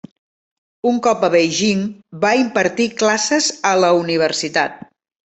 Un cop a Beijing va impartir classes a la universitat.